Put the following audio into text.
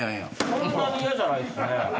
そんなに嫌じゃないっすね。